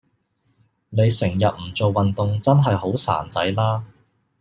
你成日唔做運動真係好孱仔啦